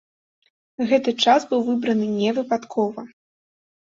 Гэты час быў выбраны не выпадкова.